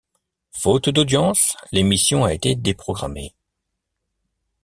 Faute d'audience, l'émission a été déprogrammé.